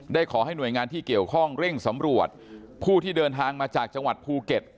ขอให้หน่วยงานที่เกี่ยวข้องเร่งสำรวจผู้ที่เดินทางมาจากจังหวัดภูเก็ต